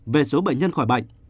về số bệnh nhân khỏi bệnh